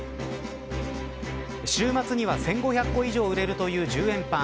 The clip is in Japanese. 週末には１５００個以上売れるという１０円パン。